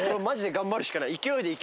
マジで頑張るしかない。